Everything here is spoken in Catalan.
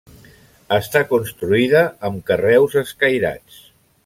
Està construïda amb carreus escairats.